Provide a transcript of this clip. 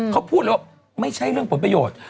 เขาพูดเลยว่าไม่ใช่เรื่องผลประโยชน์